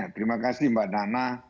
terima kasih mbak nana